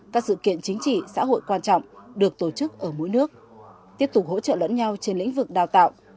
các sự kiện chính trị xã hội quan trọng được tổ chức ở mỗi nước tiếp tục hỗ trợ lẫn nhau trên lĩnh vực đào tạo